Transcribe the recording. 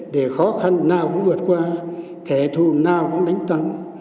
để khó khăn nào cũng vượt qua kẻ thù nào cũng đánh thắng